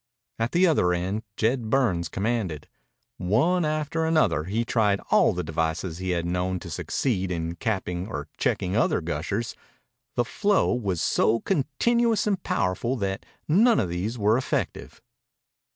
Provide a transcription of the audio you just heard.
At the other end Jed Burns commanded. One after another he tried all the devices he had known to succeed in capping or checking other gushers. The flow was so continuous and powerful that none of these were effective.